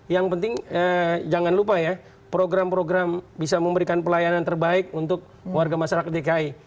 yang penting jangan lupa ya program program bisa memberikan pelayanan terbaik untuk warga masyarakat dki